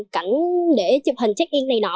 cảnh để chụp hình check in này nọ